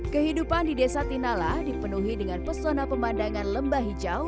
kehidupan di desa tinala dipenuhi dengan pesona pemandangan lembah hijau